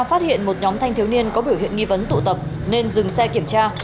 phát hiện một nhóm thanh thiếu niên có biểu hiện nghi vấn tụ tập nên dừng xe kiểm tra